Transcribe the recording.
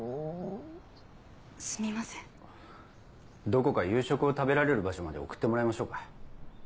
どこか夕食を食べられる場所まで送ってもらいましょうか。